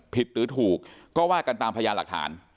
หรือถูกก็ว่ากันตามพยานหลักฐาน